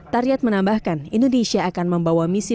tariat menambahkan indonesia akan membawa misi